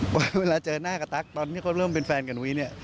เวลาเจอหน้ากับตั๊กตอนที่เขาเริ่มเป็นแฟนกับนุ้ยเนี่ย